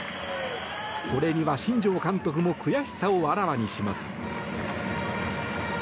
これには新庄監督も悔しさをあらわにします。